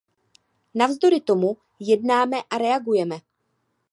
Navzdory tomu jednáme a reagujeme.